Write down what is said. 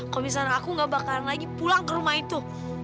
kalau misalnya aku nggak bakalan lagi pulang ke rumah itu